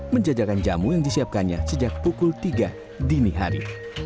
menjajakan jamu yang disiapkannya sejak pukul tiga dini hari